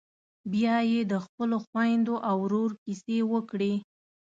بيا یې د خپلو خويندو او ورور کيسې وکړې.